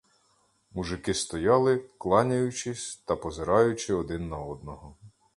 Мужики стояли, кланяючись та позираючи один на одного.